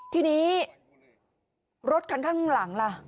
ทีนี้รถคันข้างหลังล่ะ